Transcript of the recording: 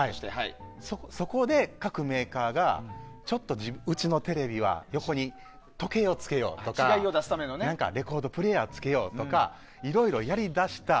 そこで、各メーカーがちょっとうちのテレビは横に時計をつけようとかレコードプレーヤーをつけようとかいろいろやり出した。